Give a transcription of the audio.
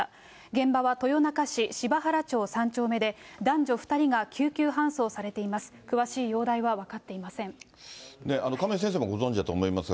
現場は豊中市柴原町３丁目で、男女２人が救急搬送されています。